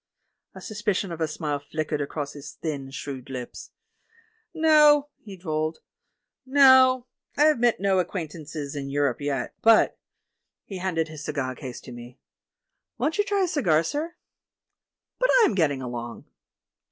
A suspicion of a smile flickered across his thin, shrewd lips. "No," he drawled; "no, I have met no ac quaintances in Europe yet, but " He hand THE WOMAN WHO WISHED TO DIE 41 ed his cigar case to me : "Won't you try a cigar, sir? — but I am getting along."